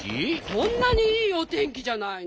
こんなにいいおてんきじゃないの。